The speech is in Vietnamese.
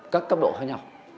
các cấp độ khác nhau